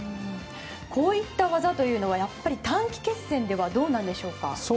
こういった技というのは短期決戦ではどうなんでしょうか。